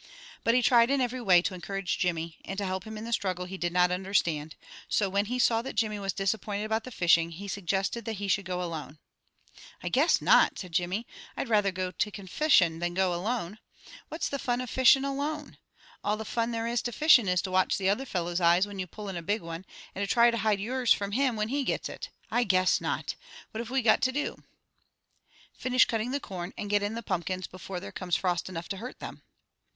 But he tried in every way to encourage Jimmy, and help him in the struggle he did not understand, so when he saw that Jimmy was disappointed about the fishing, he suggested that he should go alone. "I guess not!" said Jimmy. "I'd rather go to confission than to go alone. What's the fun of fishin' alone? All the fun there is to fishin' is to watch the other fellow's eyes when you pull in a big one, and try to hide yours from him when he gets it. I guess not! What have we got to do?" "Finish cutting the corn, and get in the pumpkins before there comes frost enough to hurt them."